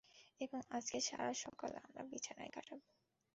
এবং আজকে সারা সকাল আমরা বিছানায় কাটাবো।